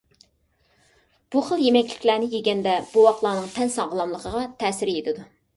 بۇ خىل يېمەكلىكلەرنى يېگەندە بوۋاقلارنىڭ تەن ساغلاملىقىغا تەسىر يېتىدۇ.